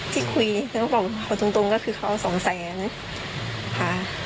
ที่คุยแล้วก็บอกว่าตรงก็คือเขาเอา๒๐๐๐๐๐บาทค่ะ